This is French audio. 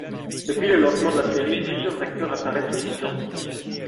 Depuis le lancement de la série, plusieurs acteurs apparaissent aussi dans '.